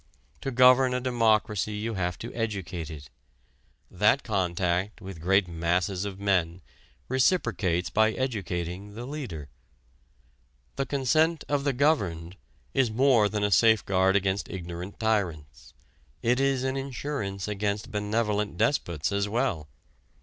To govern a democracy you have to educate it: that contact with great masses of men reciprocates by educating the leader. "The consent of the governed" is more than a safeguard against ignorant tyrants: it is an insurance against benevolent despots as well.